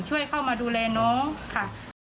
ช่วยเข้ามาดูแลน้องค่ะ